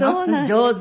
上手。